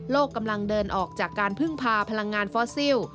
กำลังเดินออกจากการพึ่งพาพลังงานฟอสซิล